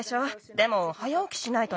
でもはやおきしないとね。